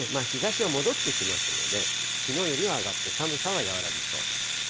日ざしは戻ってきますので、きのうよりは上がって、寒さは和らぎそうです。